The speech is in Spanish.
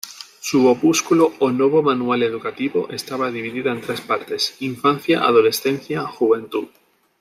Su opúsculo "O Novo Manual Educativo", estaba dividido en tres partes: Infancia, Adolescencia, Juventud.